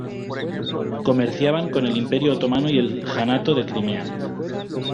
Comerciaban con el Imperio otomano y el Janato de Crimea.